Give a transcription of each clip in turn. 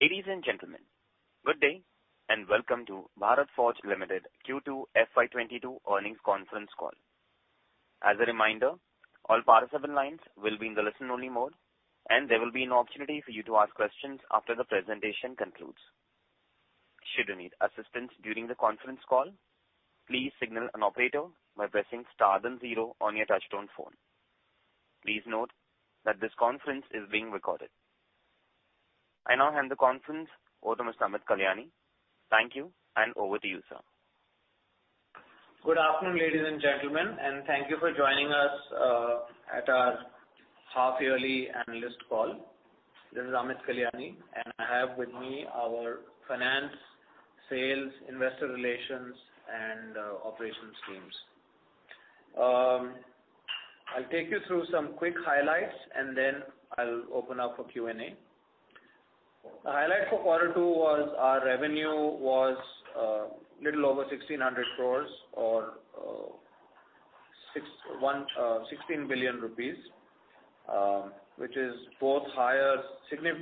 Ladies and gentlemen, good day, and welcome to Bharat Forge Limited Q2 FY 2022 earnings conference call. As a reminder, all participant lines will be in the listen-only mode, and there will be an opportunity for you to ask questions after the presentation concludes. Should you need assistance during the conference call, please signal an operator by pressing star then zero on your touchtone phone. Please note that this conference is being recorded. I now hand the conference over to Mr. Amit Kalyani. Thank you, and over to you, sir. Good afternoon, ladies and gentlemen, and thank you for joining us at our half-yearly analyst call. This is Amit Kalyani, and I have with me our finance, sales, investor relations, and operations teams. I'll take you through some quick highlights, and then I'll open up for Q&A. The highlight for quarter two was our revenue little over 1,600 crores or sixteen billion rupees, which is both higher,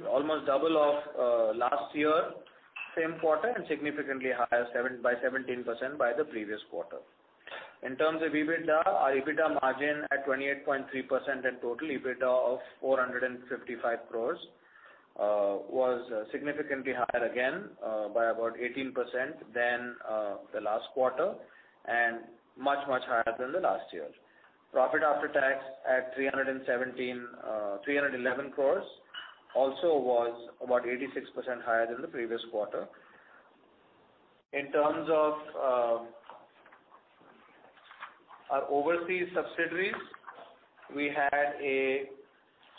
almost double of last year, same quarter, and significantly higher by 17% by the previous quarter. In terms of EBITDA, our EBITDA margin at 28.3% and total EBITDA of 455 crores was significantly higher again by about 18% than the last quarter and much, much higher than the last year. Profit after tax at 317, 311 crores also was about 86% higher than the previous quarter. In terms of our overseas subsidiaries, we had a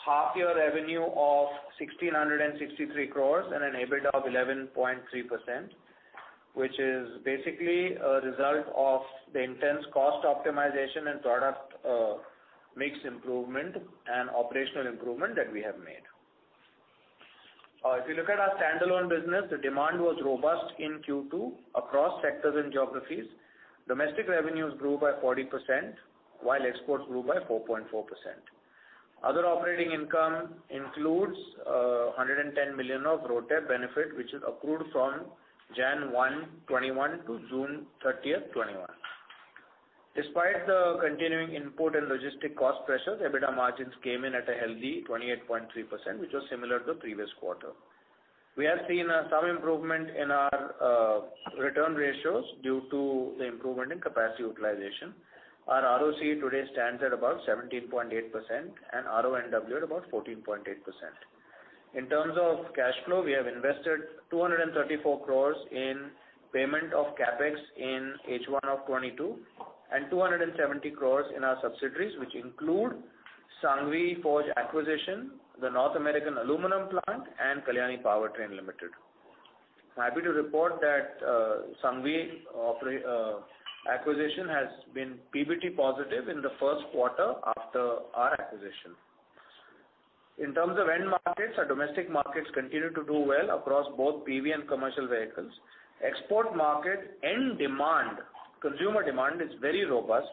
half year revenue of 1,663 crore and an EBITDA of 11.3%, which is basically a result of the intense cost optimization and product mix improvement and operational improvement that we have made. If you look at our standalone business, the demand was robust in Q2 across sectors and geographies. Domestic revenues grew by 40%, while exports grew by 4.4%. Other operating income includes 110 million of RoDTEP benefit, which is accrued from January 1, 2021 to June 30, 2021. Despite the continuing input and logistic cost pressures, EBITDA margins came in at a healthy 28.3%, which was similar to the previous quarter. We have seen some improvement in our return ratios due to the improvement in capacity utilization. Our ROC today stands at about 17.8% and RONW at about 14.8%. In terms of cash flow, we have invested 234 crores in payment of CapEx in H1 of 2022 and 270 crores in our subsidiaries, which include Sanghvi Forge acquisition, the North American aluminum plant and Kalyani Powertrain Limited. I'm happy to report that Sanghvi Forge acquisition has been PBT positive in the first quarter after our acquisition. In terms of end markets, our domestic markets continue to do well across both PV and commercial vehicles. Export market end demand, consumer demand is very robust,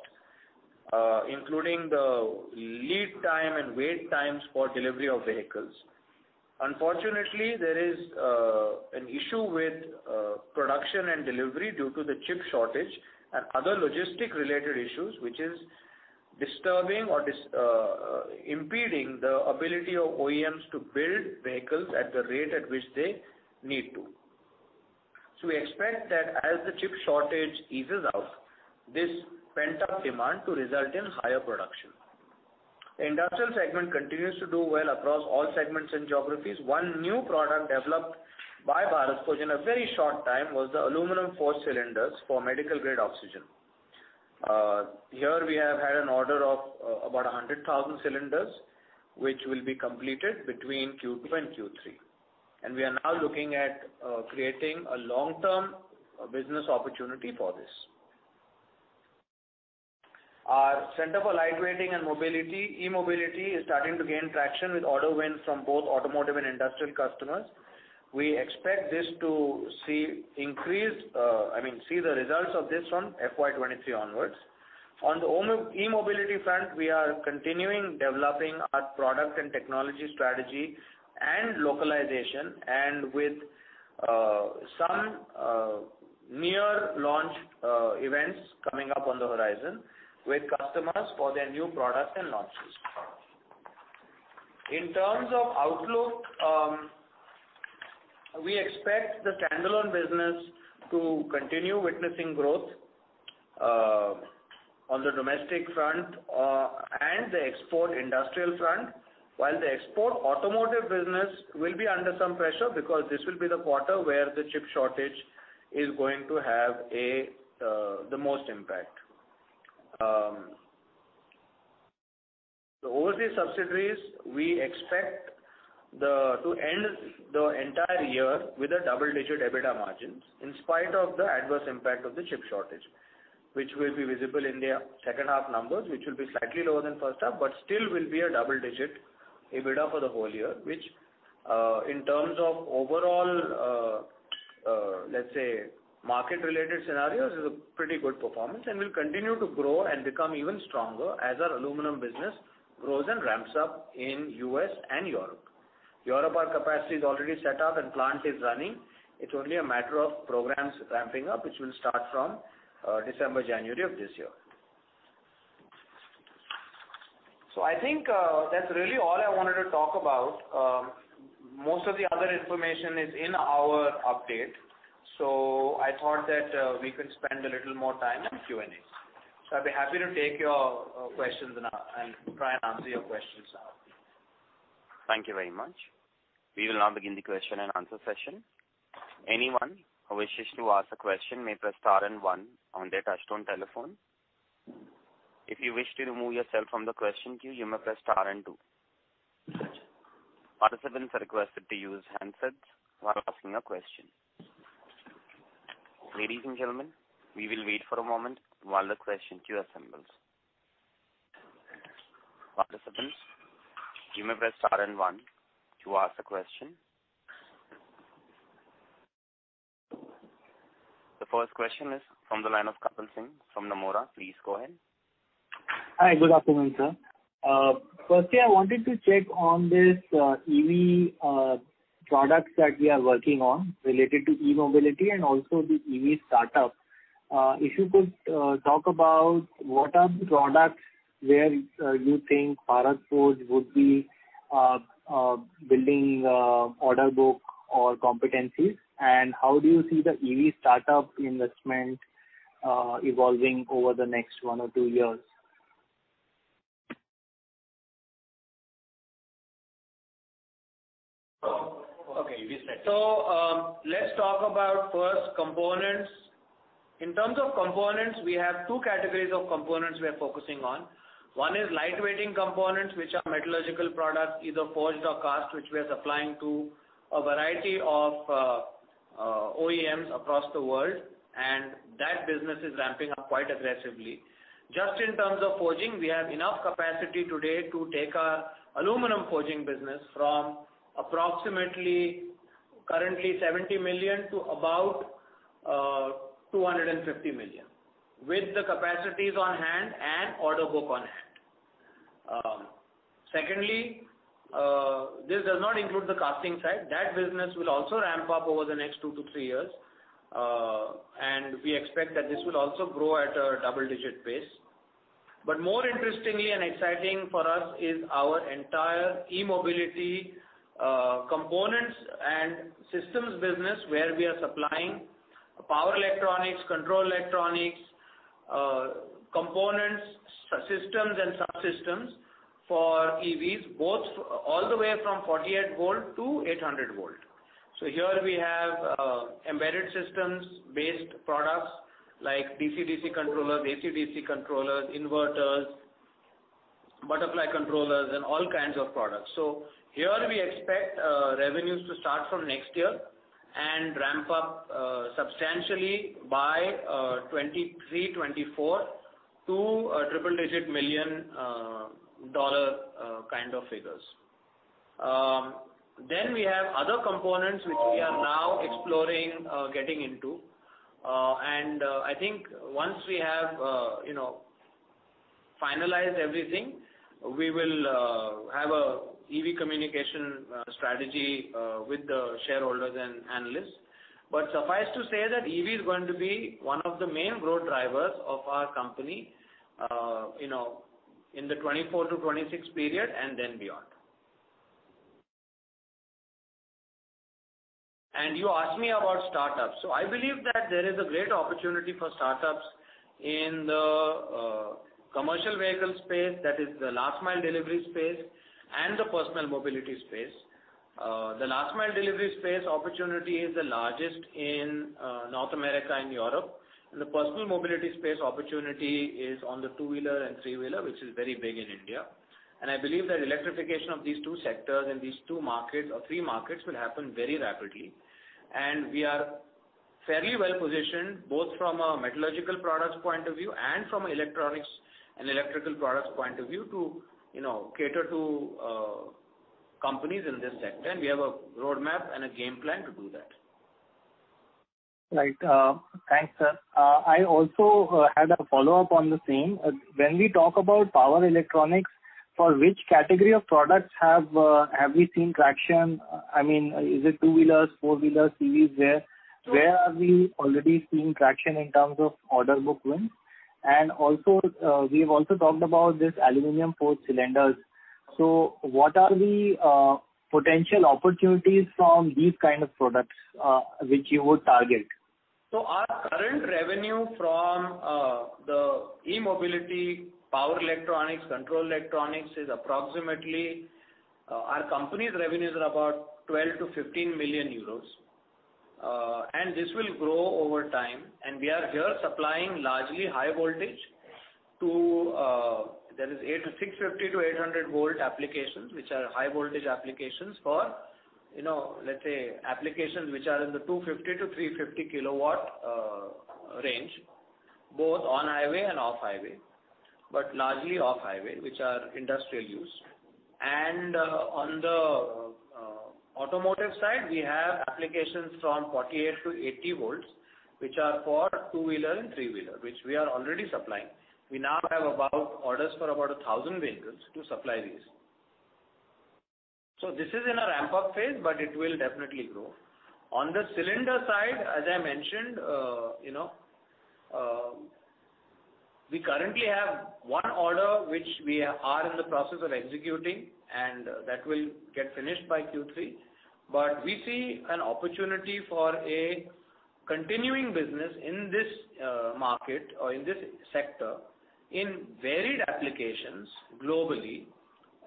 including the lead time and wait times for delivery of vehicles. Unfortunately, there is an issue with production and delivery due to the chip shortage and other logistics-related issues, which is impeding the ability of OEMs to build vehicles at the rate at which they need to. We expect that as the chip shortage eases out, this pent-up demand to result in higher production. The industrial segment continues to do well across all segments and geographies. One new product developed by Bharat Forge in a very short time was the aluminum forged cylinders for medical grade oxygen. Here we have had an order of about 100,000 cylinders, which will be completed between Q2 and Q3. We are now looking at creating a long-term business opportunity for this. Our center for lightweighting and mobility, e-mobility, is starting to gain traction with order wins from both automotive and industrial customers. We expect this, I mean, to see the results of this from FY 2023 onwards. On the OEM, e-mobility front, we are continuing developing our product and technology strategy and localization and with some near launch events coming up on the horizon with customers for their new products and launches. In terms of outlook, we expect the standalone business to continue witnessing growth on the domestic front and the export industrial front, while the export automotive business will be under some pressure because this will be the quarter where the chip shortage is going to have the most impact. The overseas subsidiaries we expect to end the entire year with double-digit EBITDA margins in spite of the adverse impact of the chip shortage, which will be visible in their second half numbers, which will be slightly lower than first half, but still will be a double-digit EBITDA for the whole year, which in terms of overall, let's say, market related scenarios is a pretty good performance, and will continue to grow and become even stronger as our aluminum business grows and ramps up in U.S. and Europe. In Europe, our capacity is already set up and plant is running. It's only a matter of programs ramping up, which will start from December, January of this year. I think that's really all I wanted to talk about. Most of the other information is in our update. I thought that we could spend a little more time in Q&A. I'll be happy to take your questions and try and answer your questions now. Thank you very much. We will now begin the question and answer session. Anyone who wishes to ask a question may press star and one on their touch-tone telephone. If you wish to remove yourself from the question queue, you may press star and two. Got you. Participants are requested to use handsets while asking a question. Ladies and gentlemen, we will wait for a moment while the question queue assembles. Participants, you may press star and one to ask a question. The first question is from the line of Kapil Singh from Nomura. Please go ahead. Hi. Good afternoon, sir. Firstly, I wanted to check on this, EV products that we are working on related to e-mobility and also the EV startup. If you could talk about what are the products where you think Bharat Forge would be building order book or competencies, and how do you see the EV startup investment evolving over the next one or two years? Okay. Let's talk about first components. In terms of components, we have two categories of components we are focusing on. One is lightweighting components, which are metallurgical products, either forged or cast, which we are supplying to a variety of OEMs across the world, and that business is ramping up quite aggressively. Just in terms of forging, we have enough capacity today to take our aluminum forging business from approximately currently $70 million to about $250 million, with the capacities on hand and order book on hand. Secondly, this does not include the casting side. That business will also ramp up over the next 2-3 years, and we expect that this will also grow at a double-digit pace. More interestingly and exciting for us is our entire e-mobility, components and systems business where we are supplying power electronics, control electronics, components, systems and subsystems for EVs, both all the way from 48 volt to 800 volt. Here we have embedded systems based products like DC-DC controllers, AC-DC controllers, inverters, battery controllers and all kinds of products. Here we expect revenues to start from next year and ramp up substantially by 2023, 2024 to a triple digit million dollar kind of figures. Then we have other components which we are now exploring getting into. I think once we have you know finalized everything, we will have a EV communication strategy with the shareholders and analysts. Suffice to say that EV is going to be one of the main growth drivers of our company, you know, in the 2024-2026 period and then beyond. You asked me about startups. I believe that there is a great opportunity for startups in the, commercial vehicle space, that is the last mile delivery space and the personal mobility space. The last mile delivery space opportunity is the largest in, North America and Europe. The personal mobility space opportunity is on the two-wheeler and three-wheeler, which is very big in India. I believe that electrification of these two sectors and these two markets or three markets will happen very rapidly. We are fairly well positioned, both from a metallurgical products point of view and from an electronics and electrical products point of view to, you know, cater to companies in this sector, and we have a roadmap and a game plan to do that. Right. Thanks, sir. I also had a follow-up on the same. When we talk about power electronics, for which category of products have we seen traction? I mean, is it two-wheelers, four-wheelers, EVs there? Where are we already seeing traction in terms of order book wins? We have also talked about this aluminum forged cylinders. So what are the potential opportunities from these kind of products which you would target? Our current revenue from the e-mobility power electronics, control electronics is approximately, our company's revenues are about 12 million-15 million euros. This will grow over time, and we are here supplying largely high voltage to 650-800 V applications, which are high voltage applications for, you know, let's say, applications which are in the 250-350 kW range. Both on highway and off highway, but largely off highway, which are industrial use. On the automotive side, we have applications from 48-80 V, which are for two-wheeler and three-wheeler, which we are already supplying. We now have orders for about 1,000 vehicles to supply these. This is in a ramp-up phase, but it will definitely grow. On the cylinder side, as I mentioned, you know, we currently have one order which we are in the process of executing, and that will get finished by Q3. But we see an opportunity for a continuing business in this market or in this sector in varied applications globally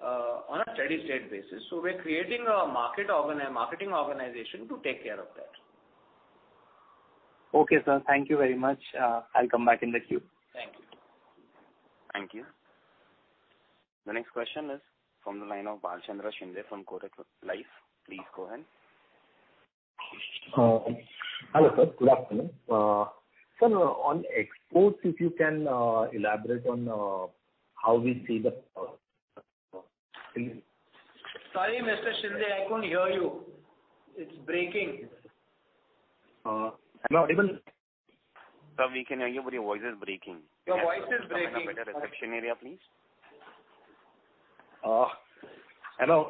on a steady-state basis. We're creating a marketing organization to take care of that. Okay, sir. Thank you very much. I'll come back in the queue. Thank you. Thank you. The next question is from the line of Bhalchandra Shinde from Kotak Life. Please go ahead. Hello, sir. Good afternoon. Sir, on exports, if you can elaborate on how we see the future, please. Sorry, Mr. Shinde, I couldn't hear you. It's breaking. Hello. Sir, we can hear you, but your voice is breaking. Your voice is breaking. Can you please go to a better reception area, please? Hello.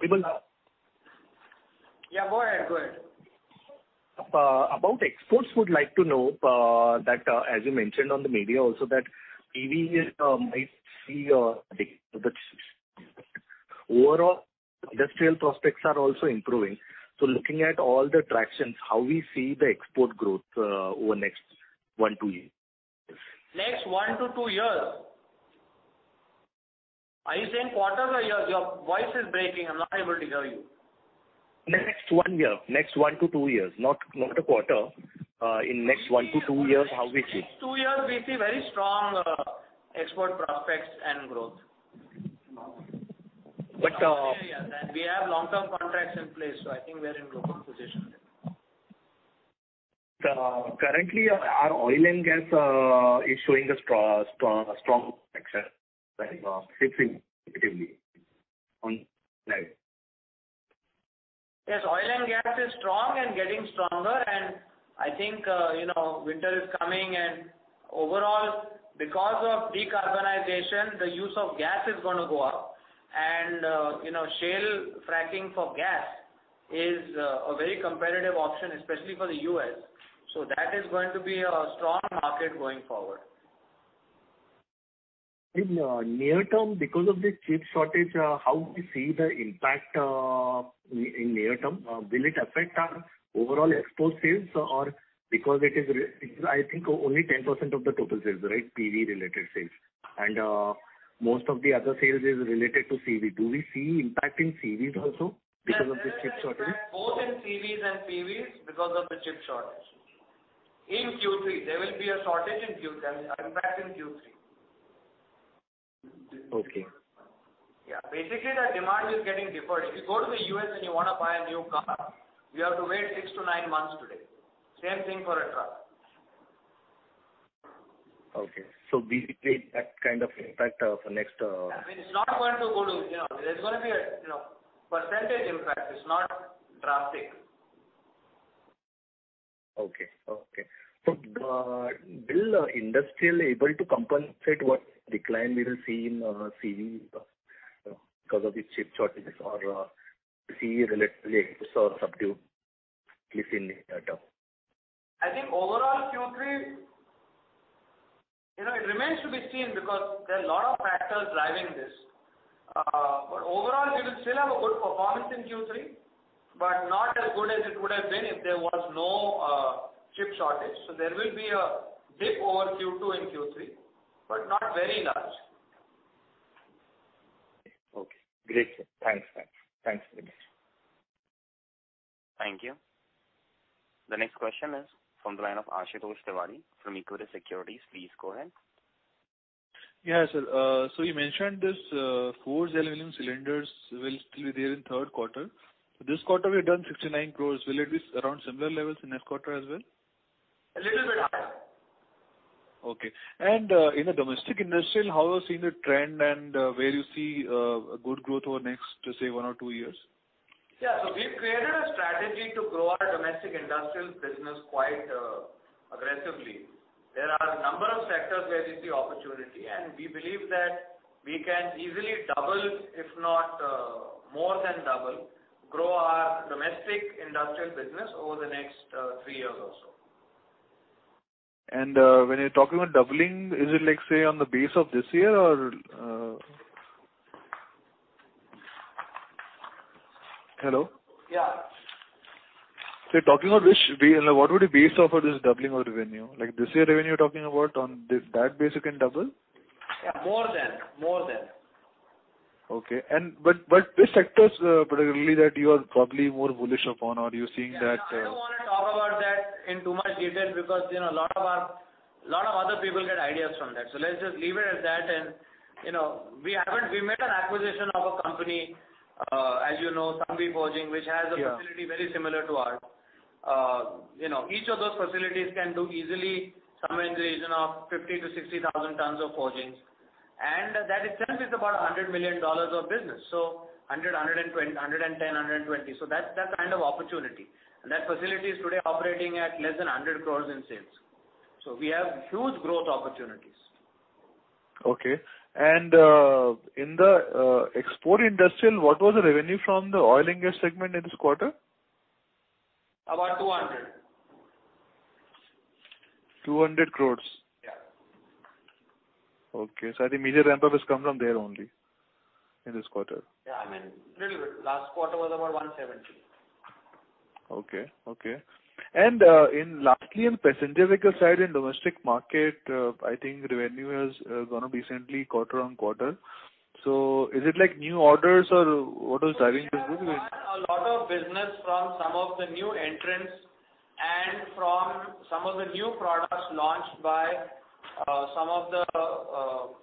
Yeah, go ahead. About exports, I would like to know that as you mentioned in the media also that EV might see a. Overall, industrial prospects are also improving. Looking at all the traction, how we see the export growth over next one, two years? Next 1-2 years. Are you saying quarters or years? Your voice is breaking. I'm not able to hear you. Next 1-2 years. Not a quarter. In next 1-2 years, how we see. Next two years, we see very strong export prospects and growth. But, uh- We have long-term contracts in place, so I think we are in a good position there. Currently, our oil and gas is showing a strong success significantly on Yes, oil and gas is strong and getting stronger, and I think, you know, winter is coming, and overall, because of decarbonization, the use of gas is gonna go up. You know, shale fracking for gas is a very competitive option, especially for the U.S. That is going to be a strong market going forward. In near term, because of the chip shortage, how do you see the impact in near term? Will it affect our overall export sales or because it is I think only 10% of the total sales, right? PV related sales. Most of the other sales is related to CV. Do we see impact in CVs also because of this chip shortage? Both in CVs and PVs because of the chip shortage. In Q3, there will be an impact in Q3. Okay. Yeah. Basically, the demand is getting deferred. If you go to the U.S. and you wanna buy a new car, you have to wait 6-9 months today. Same thing for a truck. Okay. Basically that kind of impact for next. I mean, it's not going to go to zero. There's gonna be a, you know, percentage impact. It's not drastic. Will industrial able to compensate what decline we will see in CV because of the chip shortages or see a relatively subdued near term? I think overall Q3. You know, it remains to be seen because there are a lot of factors driving this. Overall, we will still have a good performance in Q3, but not as good as it would have been if there was no chip shortage. There will be a dip over Q2 and Q3, but not very large. Okay. Great. Thanks very much. Thank you. The next question is from the line of Ashutosh Tiwari from Equirus Securities. Please go ahead. Yeah, sir. You mentioned this forged aluminum cylinders will still be there in third quarter. This quarter we've done 59 crores. Will it be around similar levels in next quarter as well? A little bit up. Okay. In the domestic industrial, how you're seeing the trend and where you see a good growth over next, say, one or two years? We've created a strategy to grow our domestic industrial business quite aggressively. There are a number of sectors where we see opportunity, and we believe that we can easily double, if not more than double, grow our domestic industrial business over the next three years or so. When you're talking about doubling, is it like, say, on the basis of this year or Hello? Yeah. You're talking about what would be basis of this doubling of revenue? Like this year revenue you're talking about on this, that basis you can double? Yeah, more than. Which sectors, particularly, that you are probably more bullish upon or you're seeing that Yeah. I don't wanna talk about that in too much detail because, you know, a lot of other people get ideas from that. Let's just leave it at that. You know, we made an acquisition of a company, Sanghvi Forging, which has- Yeah. A facility very similar to ours. You know, each of those facilities can do easily somewhere in the region of 50,000-60,000 tons of forging. That itself is about $100 million of business. That's that kind of opportunity. That facility is today operating at less than 100 crore in sales. We have huge growth opportunities. In the export industrial, what was the revenue from the oil and gas segment in this quarter? About 200. 200 crores? Yeah. Okay. I think major ramp up has come from there only in this quarter. Yeah, I mean, little bit. Last quarter was about 170. Lastly, in passenger vehicle side, in domestic market, I think revenue has gone up recently quarter-over-quarter. Is it like new orders or what was driving this growth? We have won a lot of business from some of the new entrants and from some of the new products launched by some of the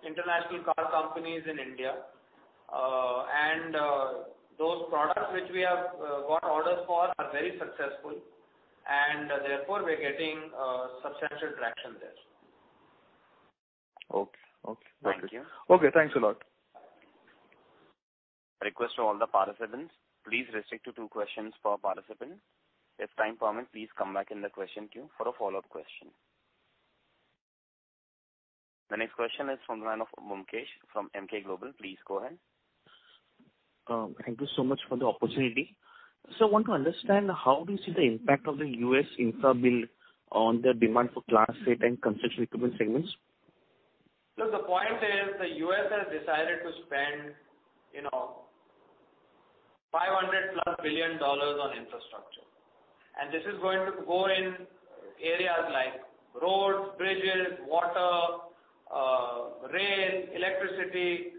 international car companies in India. Those products which we have got orders for are very successful and therefore we're getting substantial traction there. Okay. Okay. Got it. Thank you. Okay, thanks a lot. Request to all the participants, please restrict to two questions per participant. If time permits, please come back in the question queue for a follow-up question. The next question is from the line of Mukesh from Emkay Global. Please go ahead. Thank you so much for the opportunity. I want to understand how do you see the impact of the U.S. infra bill on the demand for class eight and construction equipment segments? Look, the point is, the U.S. has decided to spend, you know, $500+ billion on infrastructure. This is going to go in areas like roads, bridges, water, rail, electricity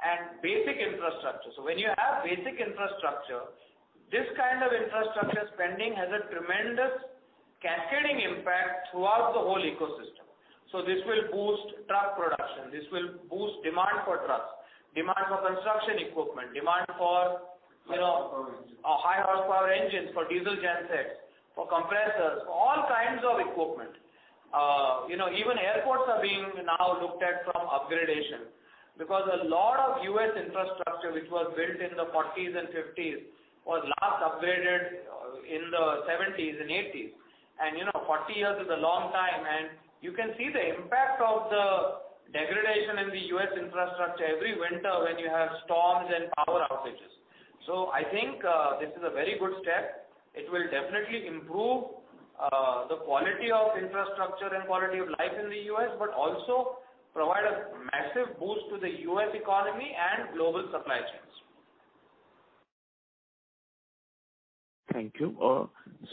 and basic infrastructure. When you have basic infrastructure, this kind of infrastructure spending has a tremendous cascading impact throughout the whole ecosystem. This will boost truck production. This will boost demand for trucks, demand for construction equipment, demand for, you know- High horsepower engines. High horsepower engines, for diesel gensets, for compressors, for all kinds of equipment. You know, even airports are being now looked at for upgradation because a lot of U.S. infrastructure, which was built in the 1940s and 1950s, was last upgraded in the 1970s and 1980s. You know, 40 years is a long time and you can see the impact of the degradation in the U.S. infrastructure every winter when you have storms and power outages. I think this is a very good step. It will definitely improve the quality of infrastructure and quality of life in the U.S., but also provide a massive boost to the U.S. economy and global supply chains. Thank you.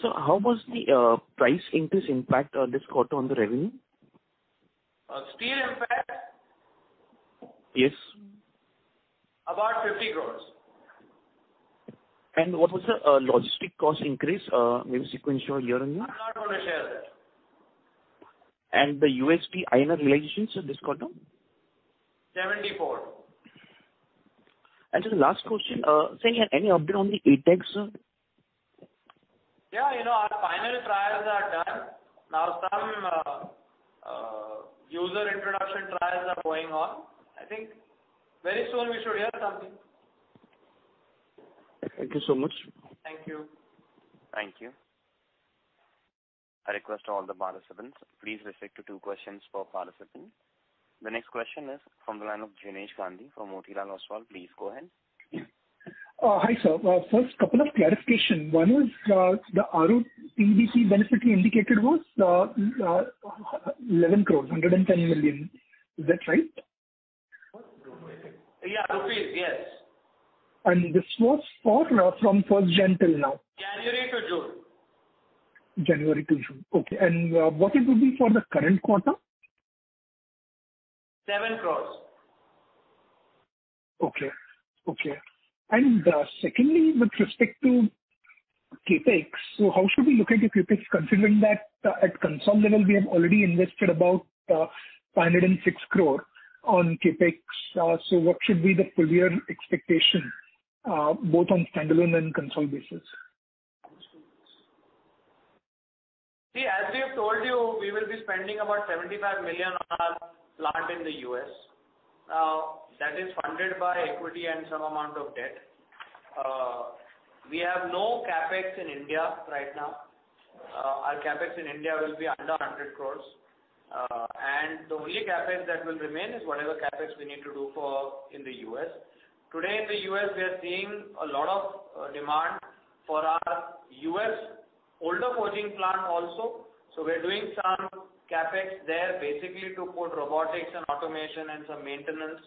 How was the price increase impact this quarter on the revenue? Steel impact? Yes. About 50 crore. What was the logistics cost increase, maybe sequential year-on-year? I'm not gonna share that. The USD INR relations this quarter? Seventy-four. Just the last question, sir, you have any update on the ATAGS, sir? Yeah. You know, our final trials are done. Now some user introduction trials are going on. I think very soon we should hear something. Thank you so much. Thank you. Thank you. I request all the participants please restrict to two questions per participant. The next question is from the line of Jinesh Gandhi from Motilal Oswal. Please go ahead. Hi, sir. First couple of clarification. One is, the RONW beneficially indicated was 11 crore, 110 million. Is that right? Yeah. Rupees, yes. This was for from first gen till now. January to June. January to June. Okay. What it would be for the current quarter? INR 7 crore. Secondly, with respect to CapEx, how should we look at the CapEx considering that at consolidated level we have already invested about 506 crore on CapEx. What should be the full year expectation both on standalone and consolidated basis? See, as we have told you, we will be spending about $75 million on our plant in the U.S. That is funded by equity and some amount of debt. We have no CapEx in India right now. Our CapEx in India will be under 100 crores. The only CapEx that will remain is whatever CapEx we need to do for in the U.S. Today in the U.S., we are seeing a lot of demand for our U.S. older forging plant also. We are doing some CapEx there basically to put robotics and automation and some maintenance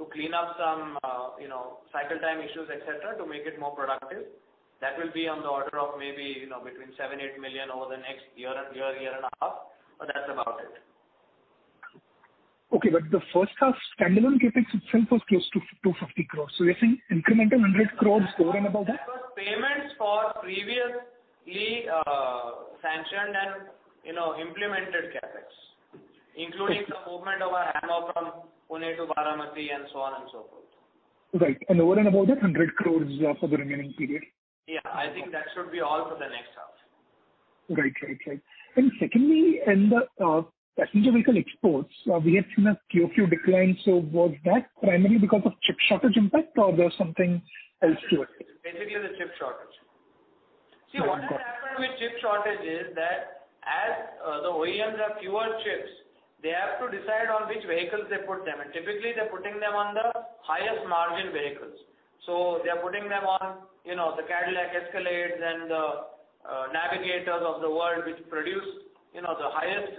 to clean up some you know, cycle time issues, etc., to make it more productive. That will be on the order of maybe you know, between $7 million-$8 million over the next year and a half, but that's about it. Okay. The first half standalone CapEx itself was close to 250 crores. You're saying incremental 100 crores over and above that? That was payments for previously sanctioned and, you know, implemented CapEx, including the movement of our Ammunition from Pune to Baramati and so on and so forth. Right. Over and above that 100 crore for the remaining period? Yeah. I think that should be all for the next half. Right. Secondly, in the passenger vehicle exports, we have seen a QOQ decline. Was that primarily because of chip shortage impact or there's something else to it? Basically the chip shortage. Right. Got it. See, what has happened with chip shortage is that as the OEMs have fewer chips, they have to decide on which vehicles they put them in. Typically, they're putting them on the highest margin vehicles. They are putting them on, you know, the Cadillac Escalades and the Navigators of the world which produce, you know, the highest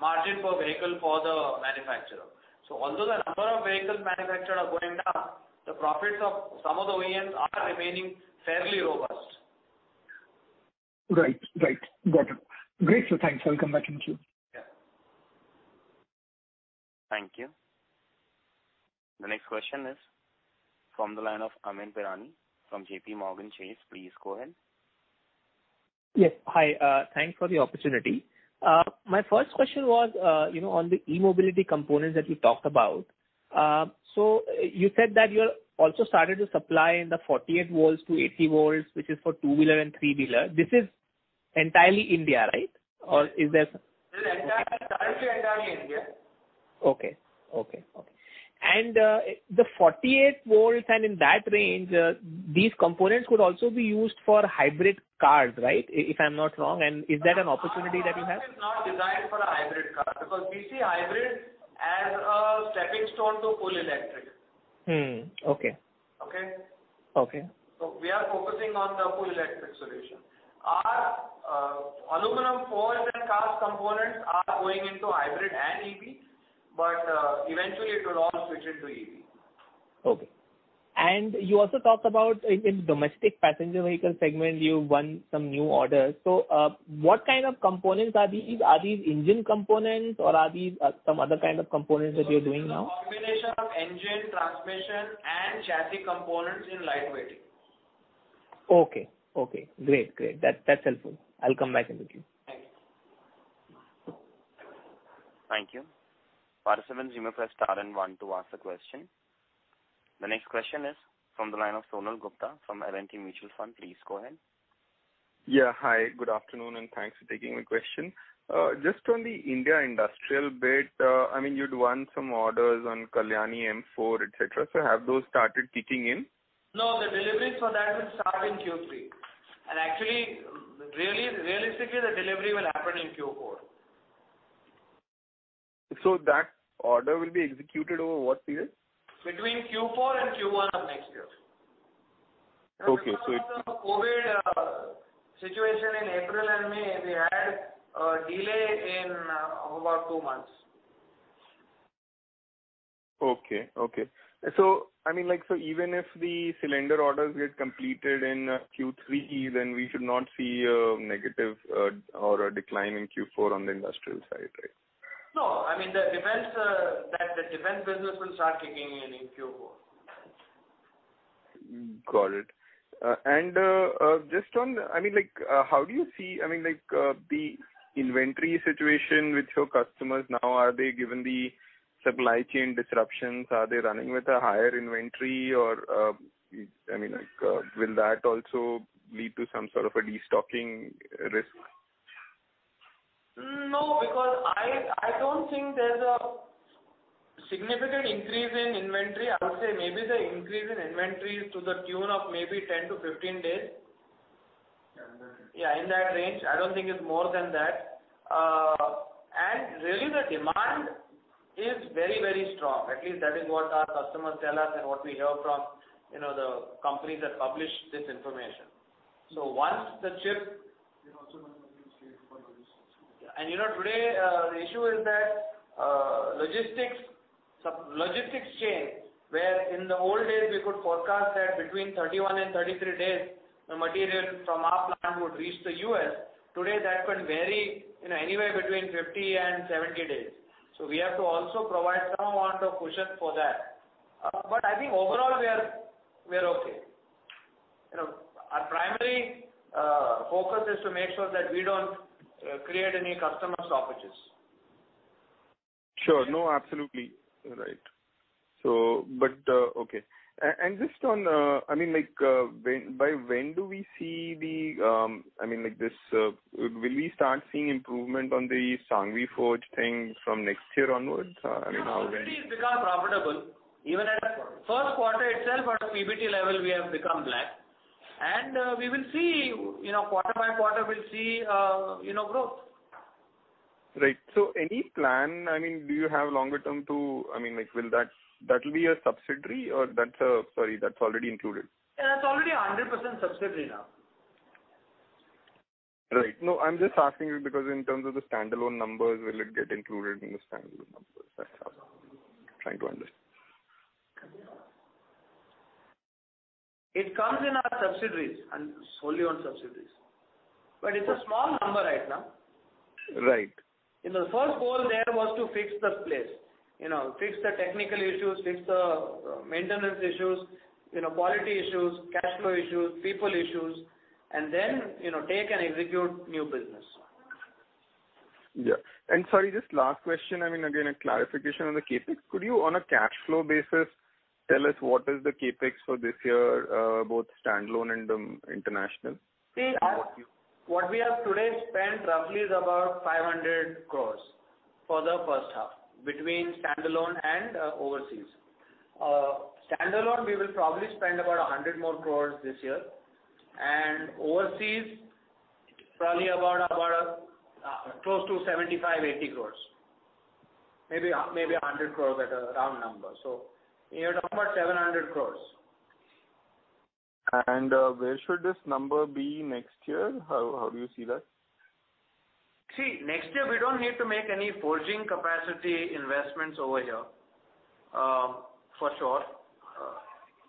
margin per vehicle for the manufacturer. Although the number of vehicles manufactured are going down, the profits of some of the OEMs are remaining fairly robust. Right. Got it. Great. Thanks. I will come back in queue. Yeah. Thank you. The next question is from the line of Amyn Pirani from JPMorgan Chase. Please go ahead. Yes. Hi, thanks for the opportunity. My first question was, you know, on the e-mobility components that you talked about. So you said that you're also started to supply in the 48-80 volts, which is for two-wheeler and three-wheeler. This is entirely India, right? Or is there some- This is currently entirely in India. Okay. The 48 volts and in that range, these components could also be used for hybrid cars, right? If I'm not wrong. Is that an opportunity that you have? No. Our product is not designed for a hybrid car because we see hybrid as a stepping stone to full electric. Okay. Okay? Okay. We are focusing on the full electric solution. Our aluminum forged and cast components are going into hybrid and EV, but eventually it will all switch into EV. Okay. You also talked about in domestic passenger vehicle segment, you won some new orders. What kind of components are these? Are these engine components or are these some other kind of components that you're doing now? This is a combination of engine, transmission and chassis components in lightweighting. Okay. Great. That, that's helpful. I'll come back in the queue. Thanks. Thank you. Participants, you may press star and one to ask a question. The next question is from the line of Sonal Gupta from L&T Mutual Fund. Please go ahead. Yeah. Hi, good afternoon, and thanks for taking my question. Just on the India industrial bit, I mean, you'd won some orders on Kalyani M-Four, et cetera. Have those started kicking in? No, the deliveries for that will start in Q3. Actually, really, realistically, the delivery will happen in Q4. That order will be executed over what period? Between Q4 and Q1 of next year. Okay. Because of the COVID situation in April and May, we had a delay in about 2 months. Okay. I mean, like, so even if the cylinder orders get completed in Q3, then we should not see a negative or a decline in Q4 on the industrial side, right? No. I mean, the defense business will start kicking in in Q4. Got it. Just on, I mean, like, the inventory situation with your customers now? Are they, given the supply chain disruptions, running with a higher inventory or, I mean, like, will that also lead to some sort of a destocking risk? No, because I don't think there's a significant increase in inventory. I would say maybe the increase in inventory is to the tune of maybe 10-15 days. Yeah, in that range. Yeah, in that range. I don't think it's more than that. Really the demand is very, very strong. At least that is what our customers tell us and what we hear from, you know, the companies that publish this information. Once the chip- There's also one more thing. You know, today the issue is that logistics chain, where in the old days we could forecast that between 31-33 days the material from our plant would reach the U.S., today that can vary, you know, anywhere between 50-70 days. We have to also provide some amount of cushion for that. I think overall we're okay. You know, our primary focus is to make sure that we don't create any customer stoppages. Sure. No, absolutely. Right. Okay. Just on, I mean, like, when, by when do we see the, I mean, like this, will we start seeing improvement on the Sanghvi Forge thing from next year onwards? I mean, how- No, already it's become profitable. Even at first quarter itself on a PBT level, we have become black. We will see, you know, quarter by quarter we'll see, you know, growth. Right. Any plan, I mean, like, will that be a subsidiary? Sorry, that's already included. Yeah, that's already a 100% subsidiary now. Right. No, I'm just asking you because in terms of the standalone numbers, will it get included in the standalone numbers? That's what I'm trying to understand. It comes in our subsidiaries and solely on subsidiaries. It's a small number right now. Right. You know, the first goal there was to fix the place. You know, fix the technical issues, fix the maintenance issues, you know, quality issues, cash flow issues, people issues. You know, take and execute new business. Yeah. Sorry, just last question. I mean, again, a clarification on the CapEx. Could you, on a cash flow basis, tell us what is the CapEx for this year, both standalone and international? See, what we have today spent roughly is about 500 crore for the first half between standalone and overseas. Standalone, we will probably spend about 100 crore more this year. Overseas, probably about close to 75 crore-80 crore. Maybe a 100 crore better round number. You're talking about 700 crore. Where should this number be next year? How do you see that? See, next year we don't need to make any forging capacity investments over here, for sure.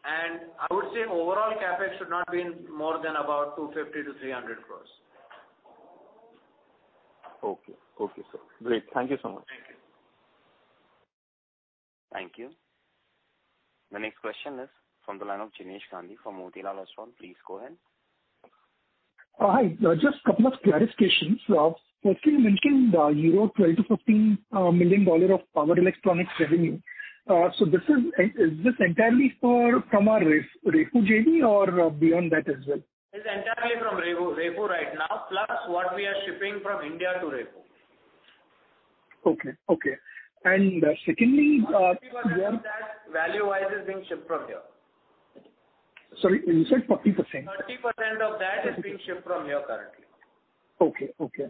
I would say overall CapEx should not be more than about 250 crore-300 crore. Okay. Great. Thank you so much. Thank you. Thank you. The next question is from the line of Jinesh Gandhi from Motilal Oswal. Please go ahead. Hi. Just couple of clarifications. So you're making EUR 12-15 million of power electronics revenue. So is this entirely from our Refu or beyond that as well? It's entirely from Refu right now, plus what we are shipping from India to Refu. Okay. Secondly, where- 30% of that value-wise is being shipped from here. Sorry, you said 30%. 30% of that is being shipped from here currently. Okay.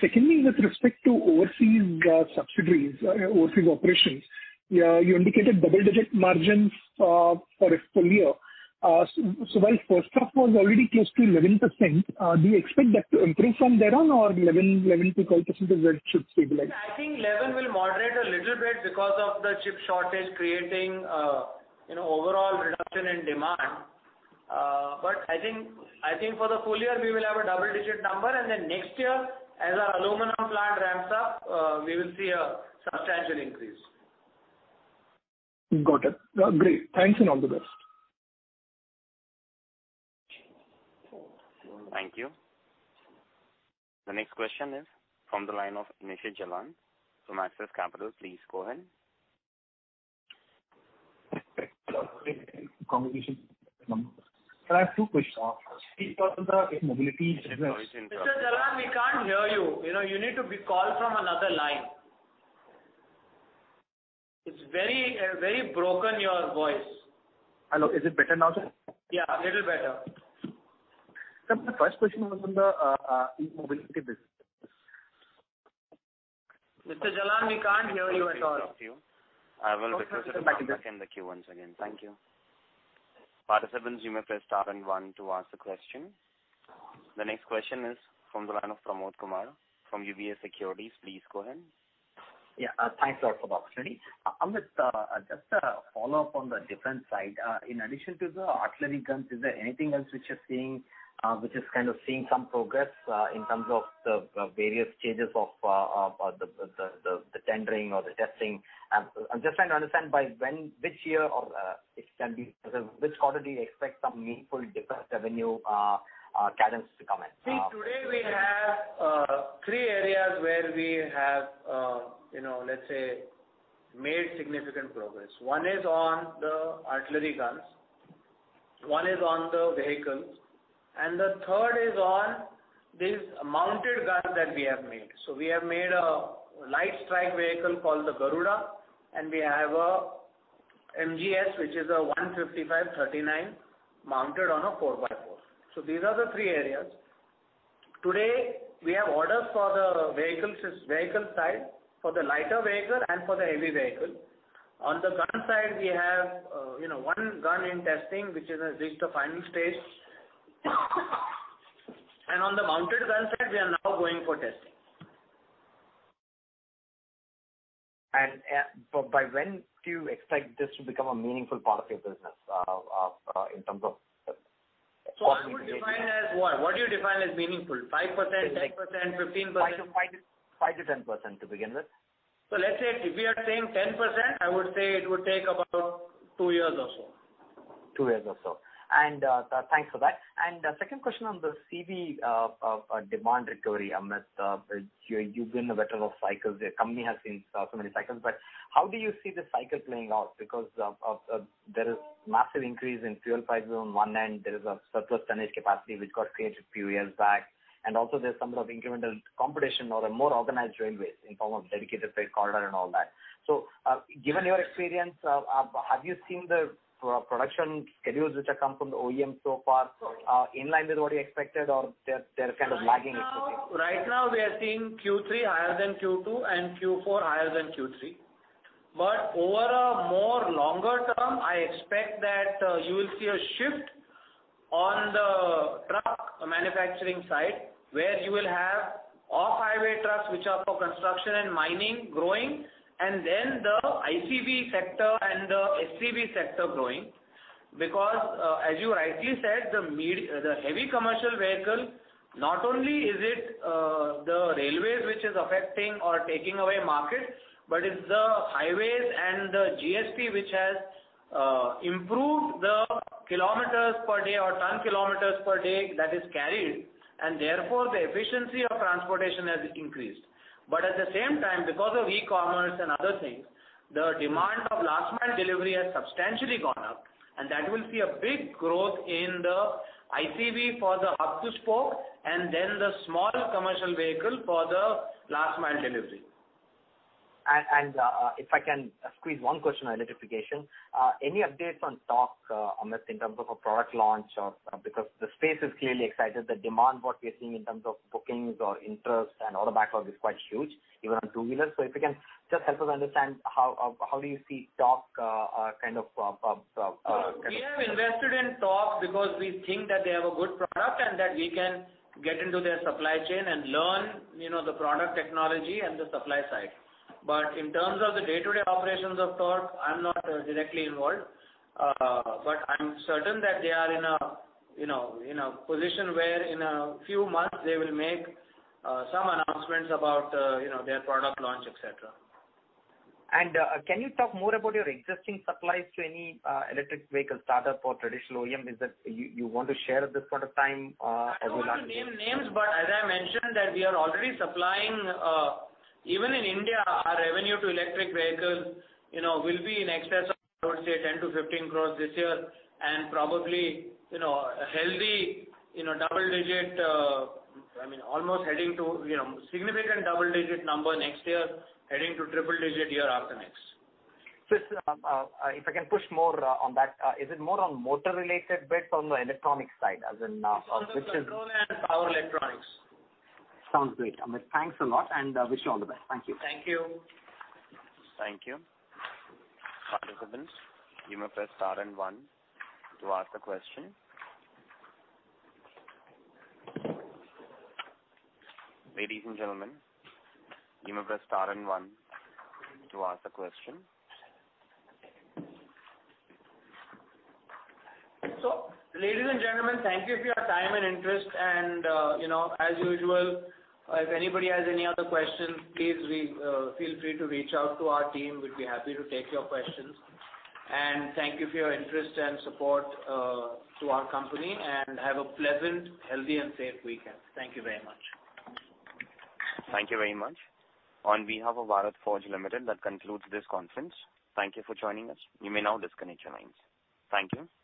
Secondly, with respect to overseas subsidiaries, overseas operations, you indicated double-digit margins for a full year. While first half was already close to 11%, do you expect that to improve from there on or 11%-12% is where it should stabilize? I think 11 will moderate a little bit because of the chip shortage creating overall reduction in demand. I think for the full year we will have a double-digit number, and then next year, as our aluminum plant ramps up, we will see a substantial increase. Got it. Great. Thanks and all the best. Thank you. The next question is from the line of Nishit Jalan from Axis Capital. Please go ahead. Sir, I have two questions. First one is on the e-mobility business. Mr. Jalan, we can't hear you. You know, you need to be called from another line. It's very, very broken, your voice. Hello. Is it better now, sir? Yeah, a little better. Sir, my first question was on the e-mobility business. Mr. Jalan, we can't hear you at all. I will put you back in the queue once again. Thank you. Participants, you may press star and one to ask the question. The next question is from the line of Pramod Kumar from UBS Securities. Please go ahead. Yeah. Thanks a lot for the opportunity. Amit, just a follow-up on the defense side. In addition to the artillery guns, is there anything else which you're seeing, which is kind of seeing some progress, in terms of the various stages of the tendering or the testing? I'm just trying to understand by when, which year or, if can be, which quarter do you expect some meaningful defense revenue cadence to come in? See, today we have three areas where we have, you know, let's say made significant progress. One is on the artillery guns, one is on the vehicles, and the third is on this mounted gun that we have made. We have made a light strike vehicle called the Garuda, and we have a MGS, which is a 155 39 mounted on a 4 by 4. These are the three areas. Today, we have orders for the vehicle side, for the lighter vehicle and for the heavy vehicle. On the gun side, we have, you know, one gun in testing, which is at just the final stage. On the mounted gun side, we are now going for testing. By when do you expect this to become a meaningful part of your business, in terms of the? how would you define as what? What do you define as meaningful? 5%, 10%, 15%? 5%-10% to begin with. Let's say if we are saying 10%, I would say it would take about two years or so. Two years or so. Thanks for that. Second question on the CV demand recovery, Amit. You've been a veteran of cycles. The company has seen so many cycles. How do you see the cycle playing out? Because there is massive increase in fuel prices on one end, there is a surplus tonnage capacity which got created few years back. Also there's some sort of incremental competition or a more organized railways in form of dedicated freight corridor and all that. Given your experience, have you seen the production schedules which have come from the OEM so far in line with what you expected or they're kind of lagging a bit? Right now we are seeing Q3 higher than Q2 and Q4 higher than Q3. Over a more longer term, I expect that you will see a shift on the truck manufacturing side, where you will have off-highway trucks which are for construction and mining growing, and then the ICV sector and the SCV sector growing. Because as you rightly said, the heavy commercial vehicle not only is it the railways which is affecting or taking away markets, but it's the highways and the GST which has improved the kilometers per day or ton kilometers per day that is carried, and therefore, the efficiency of transportation has increased. At the same time, because of e-commerce and other things, the demand for last mile delivery has substantially gone up, and that will see a big growth in the ICV for the hub to spoke and then the small commercial vehicle for the last mile delivery. If I can squeeze one question on electrification. Any updates on Tork, Amit, in terms of a product launch or? Because the space is clearly excited. The demand, what we are seeing in terms of bookings or interest and order backlog is quite huge even on two-wheeler. If you can just help us understand how do you see Tork kind of We have invested in Tork because we think that they have a good product and that we can get into their supply chain and learn, you know, the product technology and the supply side. In terms of the day-to-day operations of Tork, I'm not directly involved. I'm certain that they are in a, you know, in a position where in a few months they will make some announcements about, you know, their product launch, et cetera. Can you talk more about your existing supplies to any electric vehicle startup or traditional OEM? Is it you want to share at this point of time? I don't want to name names, but as I mentioned that we are already supplying even in India, our revenue to electric vehicles will be in excess of, I would say 10 crore-15 crore this year and probably a healthy double-digit, I mean, almost heading to significant double-digit number next year, heading to triple digit year after next. Just, if I can push more on that. Is it more on the motor related bit or on the electronic side as in, It's also control and power electronics. Sounds great, Amit. Thanks a lot, and wish you all the best. Thank you. Thank you. Thank you. Participants, you may press star and one to ask a question. Ladies and gentlemen, you may press star and one to ask a question. Ladies and gentlemen, thank you for your time and interest. You know, as usual, if anybody has any other questions, please feel free to reach out to our team. We'd be happy to take your questions. Thank you for your interest and support to our company, and have a pleasant, healthy and safe weekend. Thank you very much. Thank you very much. On behalf of Bharat Forge Limited, that concludes this conference. Thank you for joining us. You may now disconnect your lines. Thank you.